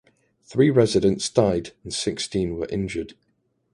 Three residents died and sixteen were injured.